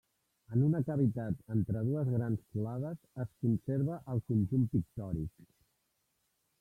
En una cavitat entre dues grans colades es conserva el conjunt pictòric.